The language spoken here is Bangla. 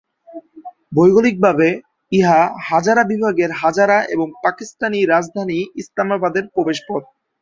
ভৌগলিকভাবে, ইহা হাজারা বিভাগের হাজারা এবং পাকিস্তানি রাজধানী ইসলামাবাদের প্রবেশপথ।